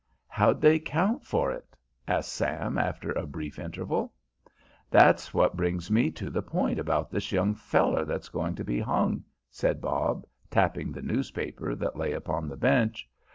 "How'd they account for it?" asked Sam, after a brief interval. "That's what brings me to the point about this young feller that's going to be hung," said Bob, tapping the newspaper that lay upon the bench.